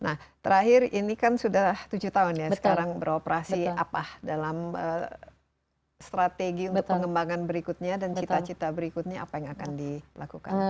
nah terakhir ini kan sudah tujuh tahun ya sekarang beroperasi apa dalam strategi untuk pengembangan berikutnya dan cita cita berikutnya apa yang akan dilakukan